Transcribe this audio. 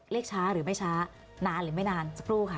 ช้าหรือไม่ช้านานหรือไม่นานสักครู่ค่ะ